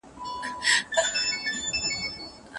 آیا سبا تر نن نامعلوم دی؟